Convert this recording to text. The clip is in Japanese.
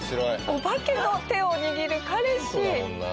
お化けの手を握る彼氏！